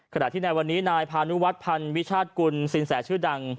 ขณะที่ในวันนี้นายพานุวัฒนภัณฑ์วิชาติกุลสินแสชื่อดัง